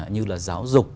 như là giáo dục